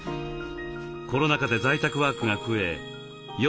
コロナ禍で在宅ワークが増え夜